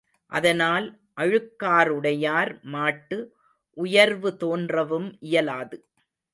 அதனால் அழுக்காறுடையார் மாட்டு உயர்வு தோன்றவும் இயலாது.